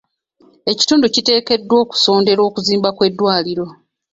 Ekitundu kiteekeddwa okusondera okuzimba kw'eddwaliro.